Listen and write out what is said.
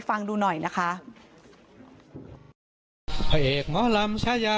เพลงที่สุดท้ายเสียเต้ยมาเสียชีวิตค่ะ